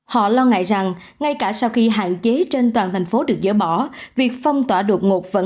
họ lo ngại rằng ngay cả sau khi hạn chế trên toàn thành phố được dỡ bỏ việc phong tỏa đột ngột vẫn